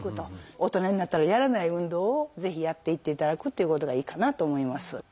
大人になったらやらない運動をぜひやっていっていただくっていうことがいいかなと思います。